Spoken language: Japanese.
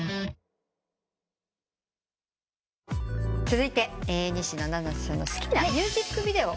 続いて西野七瀬さんの好きなミュージックビデオ。